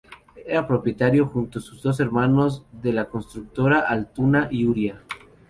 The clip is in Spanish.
Era propietario, junto a sus dos hermanos, de la constructora Altuna y Uría.